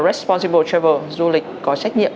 responsible travel du lịch có trách nhiệm